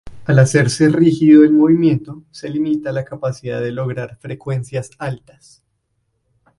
Al hacerse rígido el movimiento, se limita la capacidad de lograr frecuencias altas.